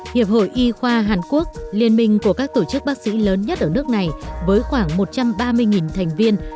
hiệp hội y khoa hàn quốc liên minh của các tổ chức bác sĩ lớn nhất ở nước này với khoảng một trăm ba mươi thành viên